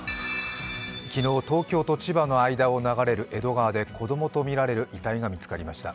昨日、東京と千葉の間を流れる江戸川で子供とみられる遺体が見つかりました。